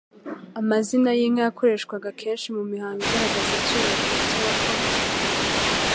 Amazina y'inka yakoreshwaga kenshi mu mihango igaragaza icyubahiro cy'abakomeye